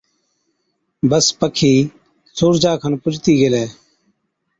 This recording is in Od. بس پکِي سُورجا کن پُجتِي گيلَي